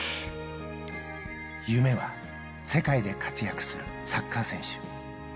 夢は世界で活躍するサッカー選手。